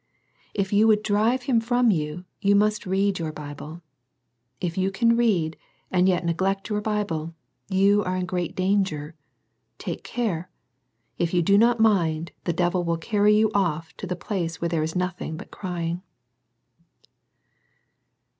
If you would drive him from you you must read your Bible. If you can read, and yet neglect your Bible, you are in great danger. Take care. If you do not mind the devil will carry you off to the place where there is nothing but " crying."